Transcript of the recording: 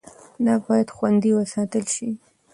دا باید خوندي وساتل شي.